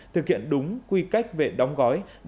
thực hiện đúng quy cách về đóng gói